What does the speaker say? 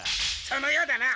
そのようだな。